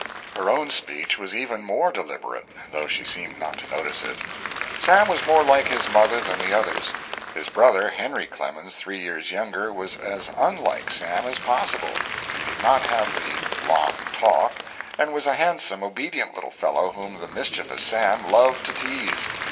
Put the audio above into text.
Her own speech was even more deliberate, though she seemed not to notice it. Sam was more like his mother than the others. His brother, Henry Clemens, three years younger, was as unlike Sam as possible. He did not have the "long talk," and was a handsome, obedient little fellow whom the mischievous Sam loved to tease.